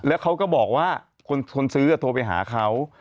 แล้วเขาก็บอกว่าคนซื้อโทรไปหาเขา